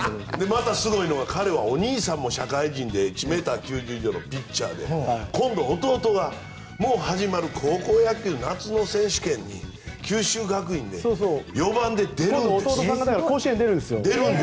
またすごいのは彼もお兄さんも社会人で１ｍ９０以上のピッチャーで弟は、もう始まる高校野球夏の選手権に、九州学院の４番で出るんです。